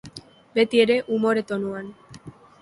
Beti ere, umore tonuan.